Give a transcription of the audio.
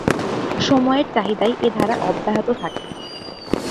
সময়ের চাহিদায় এ ধারা অব্যাহত থাকে।